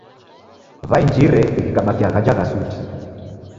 W'ainjire ghikabakia ghaja gha suti.